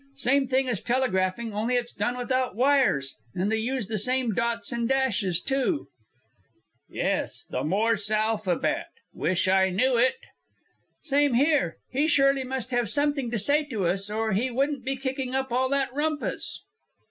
Same thing as telegraphing, only it's done without wires. And they use the same dots and dashes, too." "Yes, the Morse alphabet. Wish I knew it." "Same here. He surely must have something to say to us, or he wouldn't be kicking up all that rumpus."